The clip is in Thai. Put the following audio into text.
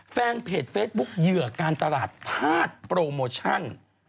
แฟนเพจเฟซบุ๊คเหยื่อการตลาดธาตุโปรโมชั่น